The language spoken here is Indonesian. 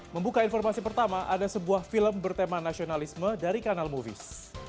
membuka informasi pertama ada sebuah film bertema nasionalisme dari kanal movies